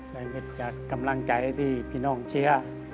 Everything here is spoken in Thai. แรงฮึดจากกำลังใจที่พี่น้องเชื่อ